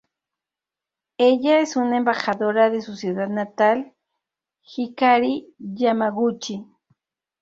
Ella es una embajadora de su ciudad natal Hikari, Yamaguchi.